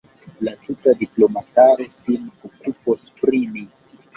La tuta diplomataro sin okupos pri mi.